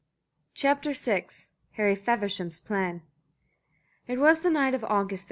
CHAPTER VI HARRY FEVERSHAM'S PLAN It was the night of August 30.